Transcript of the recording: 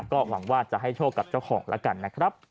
ก็หวังว่าจะให้โชคกับเจ้าของแล้วกันนะครับ